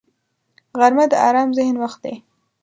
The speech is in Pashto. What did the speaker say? غرمه د آرام ذهن وخت دی